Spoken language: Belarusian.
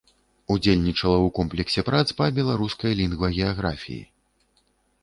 Удзельнічала ў комплексе прац па беларускай лінгвагеаграфіі.